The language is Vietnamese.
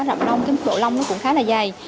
độ lông nó cũng khá là dày